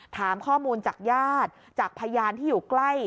ถามข้อมูลจากญาติจากพยานที่อยู่ใกล้